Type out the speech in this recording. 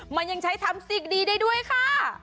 มันยังใช้ทำสิ่งดีได้ด้วยค่ะ